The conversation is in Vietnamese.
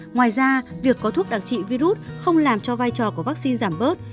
ngoài ra việc có thuốc đặc trị virus không làm cho vai trò của vaccine giảm bớt